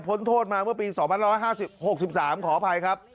โทษมาเมื่อปี๒๕๖๓ขออภัยครับ